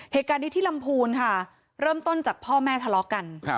เหตุการณ์นี้ที่ลำพูนค่ะเริ่มต้นจากพ่อแม่ทะเลาะกัน